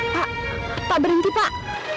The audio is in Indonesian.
pak pak berhenti pak